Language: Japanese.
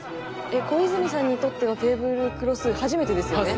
小泉さんにとってのテーブルクロス初めてですよね？